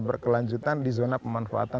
berkelanjutan di zona pemanfaatan